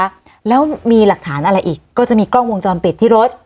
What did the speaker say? ถ้ำันมีหลักฐานอะไรอีกก็จะมีกล้องวงจอมเบ็ดที่รถ